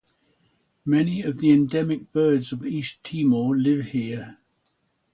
Many of the endemic birds of East Timor live here.